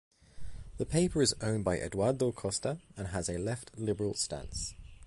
The paper is owned by Eduardo Costa and has a left-liberal stance.